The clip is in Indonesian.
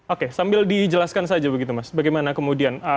oke sambil dijelaskan saja begitu mas bagaimana kemudian